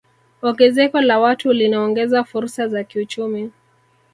Ongezeko la watu linaongeza fursa za kiuchumi